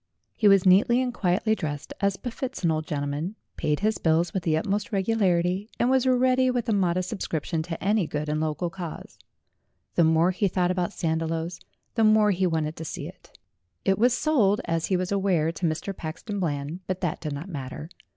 He was neatly and quietly dressed, as befits an old gentleman, paid his bills with the utmost regularity, and was ready with a modest subscription to any good and local cause. A DEVIL, A BOY, A DESIGNER 151 The more he thought about Sandiloes the more he wanted to see it. It was sold, as he was aware, to Mr. Paxton Bland, but that did not matter.